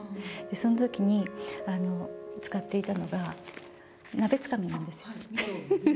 そのときに使っていたのが、鍋つかみなんですよ。